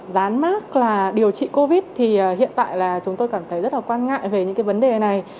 gián mác là điều trị covid thì hiện tại là chúng tôi cảm thấy rất là quan ngại về những vấn đề này